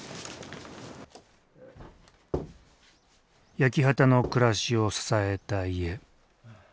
焼き畑の暮らしを支えた家。